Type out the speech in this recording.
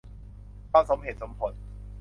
ความสมเหตุสมผล